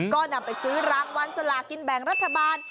ก็นำไปซื้อรางวัลสลากินแบ่งรัฐบาล